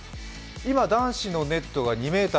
今、男子のネットが２ｍ４３。